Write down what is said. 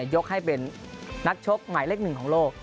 ยกให้เป็นนักชกหมายเลขหนึ่งของโลก